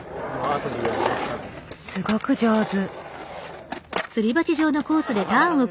すごく上手。